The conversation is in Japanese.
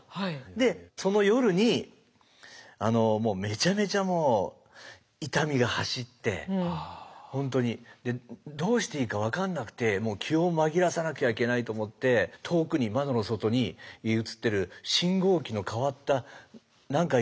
でその夜にめちゃめちゃ痛みが走って本当にどうしていいか分かんなくて気を紛らわさなきゃいけないと思って遠くに窓の外に映ってる信号機の変わった何回